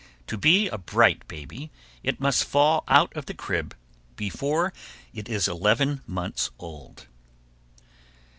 To be a bright baby, it must fall out of the crib before it is eleven months old.